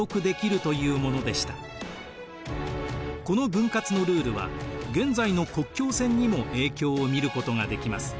この分割のルールは現在の国境線にも影響を見ることができます。